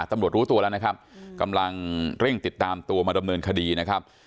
รู้ตัวแล้วนะครับกำลังเร่งติดตามตัวมาดำเนินคดีนะครับ